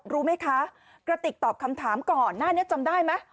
รู้ไหมคะกระติกตอบคำถามก่อนหน้านี้จำได้ไหม